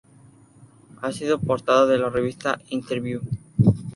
Ha sido portada de la revista "Interviú".